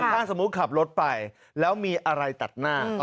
ถ้าสมมุติขับรถไปแล้วมีอะไรตัดหน้า